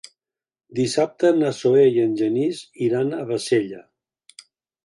Dissabte na Zoè i en Genís iran a Bassella.